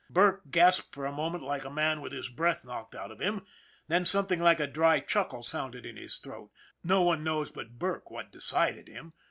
Burke gasped for a moment like a man with his breath knocked out of him, then something like a dry chuckle sounded in his throat. No one knows but Burke what decided him.